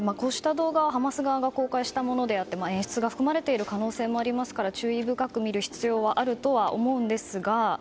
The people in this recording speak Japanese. こうした動画はハマスが公開したものであって演出が含まれている可能性もありますから注意深く見る必要はあると思いますが。